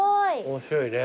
面白いね。